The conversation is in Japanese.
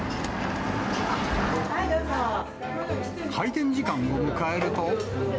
開店時間を迎えると。